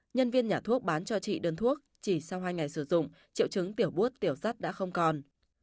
nhân viên nhà thuốc bán cho chị đơn thuốc chỉ sau hai ngày sử dụng triệu chứng tiểu bút tiểu sắt đã không còn